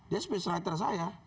dia space writer saya